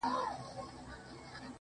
څوک وایي گران دی، څوک وای آسان دی.